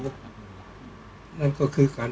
ก็ต้องทำอย่างที่บอกว่าช่องคุณวิชากำลังทำอยู่นั่นนะครับ